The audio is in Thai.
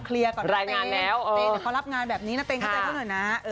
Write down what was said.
เคลียร์ก่อนก็ได้เต้นเขารับงานแบบนี้น่ะเต้นเข้าใจก็หน่อยนะรายงานแล้ว